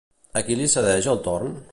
A qui li cedeix el torn?